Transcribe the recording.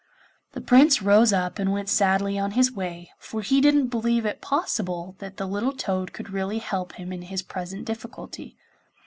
The Prince rose up and went sadly on his way, for he didn't believe it possible that the little toad could really help him in his present difficulty.